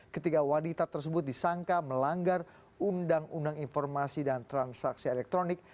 ketiga wanita tersebut disangka melanggar undang undang informasi dan transaksi elektronik